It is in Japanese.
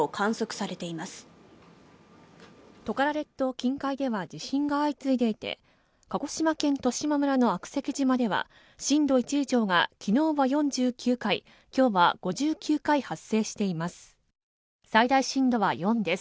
近海では地震が相次いでいて鹿児島県十島村の悪石島では震度１以上が昨日は４９回、今日は５９回発生しています。